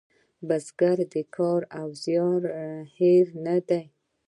بزګر د کار او زیار هیرو نه دی